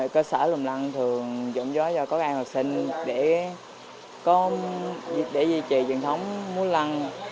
cơ sở lùng lăng thường dọn gió cho có ai học sinh để duy trì truyền thống mua lăng